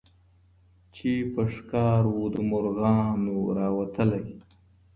چي په ښکار و د مرغانو راوتلی